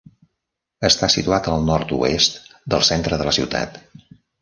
Està situat al nord-oest del centre de la ciutat.